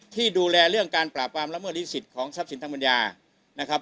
ที่ดูแลเรื่องการปราบความละเมิดฤทธิสิตของทรัพย์สินทางบริญญา